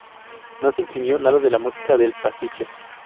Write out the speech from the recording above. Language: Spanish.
No se imprimió nada de la música del pastiche.